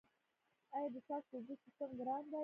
آیا د څاڅکي اوبو سیستم ګران دی؟